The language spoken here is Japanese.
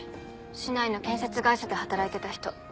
市内の建設会社で働いてた人。